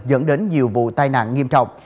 dẫn đến nhiều vụ tai nạn nghiêm trọng